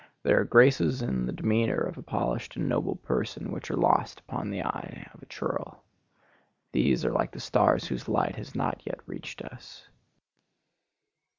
There are graces in the demeanor of a polished and noble person which are lost upon the eye of a churl. These are like the stars whose light has not yet reached us.